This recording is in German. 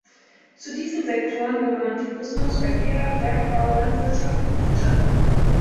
Zu diesen Sektoren gehören Tourismus, Verkehr, Bergbau, Landwirtschaft und Fischerei.